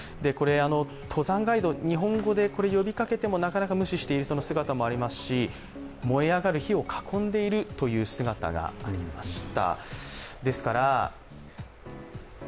登山ガイド、日本語で呼びかけてもなかなか無視している方もいらっしゃいますし燃え上がる火を囲んでいるという姿がありました。